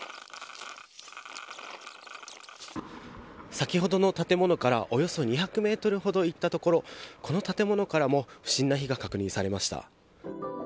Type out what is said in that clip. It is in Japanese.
先ほどの建物からおよそ２００ｍほど行ったところこの建物からも不審な火が確認されました。